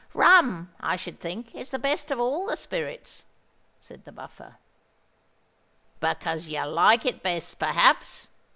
"Rum, I should think, is the best of all the spirits," said the Buffer. "Because you like it best, perhaps?"